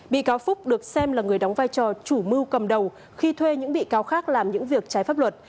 bị cáo phúc được xem là người đóng vai trò chủ mưu cầm đầu khi thuê những bị cáo khác làm những việc trái pháp luật